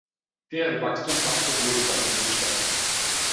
Deren Wachstum brachte Wohlstand in die Stadt.